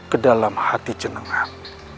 ke dalam hati jenengan